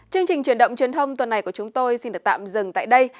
chương trình truyền động truyền thông tuần này của chúng tôi xin được tạm dừng tại đây